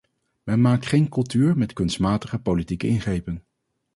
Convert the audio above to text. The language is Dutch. Men maakt geen cultuur met kunstmatige politieke ingrepen.